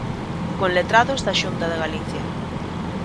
Con letrados da Xunta de Galicia.